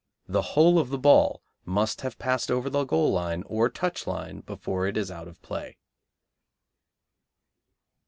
(The whole of the ball must have passed over the goal line or touch line before it is out of play.)